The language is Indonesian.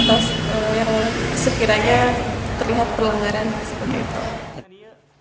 atau sekiranya terlihat pelanggaran seperti itu